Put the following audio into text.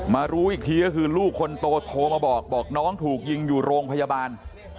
รู้อีกทีก็คือลูกคนโตโทรมาบอกบอกน้องถูกยิงอยู่โรงพยาบาล